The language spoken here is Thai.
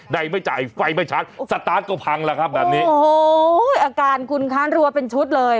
ไม่จ่ายไฟไม่ชัดสตาร์ทก็พังแล้วครับแบบนี้โอ้โหอาการคุณค้านรัวเป็นชุดเลย